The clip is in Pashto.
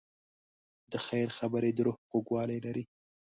د خیر خبرې د روح خوږوالی لري.